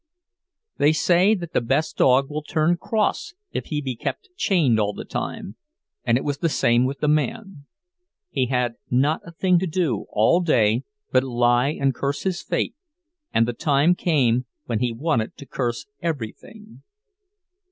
They say that the best dog will turn cross if he be kept chained all the time, and it was the same with the man; he had not a thing to do all day but lie and curse his fate, and the time came when he wanted to curse everything.